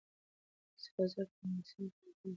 سره زر تر مجسمې قيمتي دي.